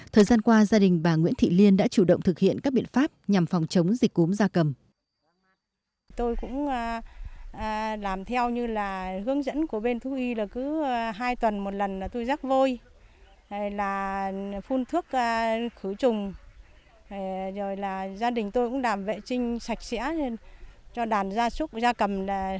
thời gian qua gia đình bà nguyễn thị liên đã chủ động thực hiện các biện pháp nhằm phòng chống dịch cúm gia cầm